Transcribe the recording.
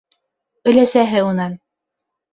Өләсәһе унан: